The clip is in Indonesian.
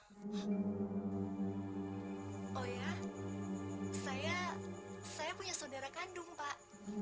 saya saya punya saudara kandung pak